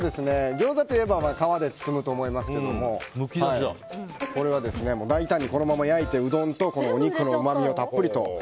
ギョーザといえば皮で包むと思いますけどもこれは大胆にこのまま焼いてうどんとお肉のうまみをたっぷりと。